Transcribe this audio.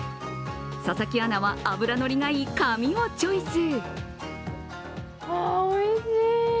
佐々木アナは脂のりがいいカミをチョイス。